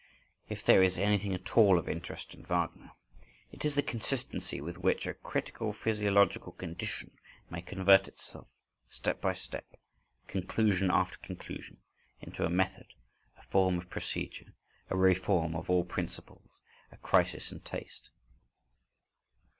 If there is anything at all of interest in Wagner, it is the consistency with which a critical physiological condition may convert itself, step by step, conclusion after conclusion, into a method, a form of procedure, a reform of all principles, a crisis in taste.